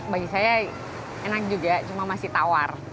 bagi saya enak juga cuma masih tawar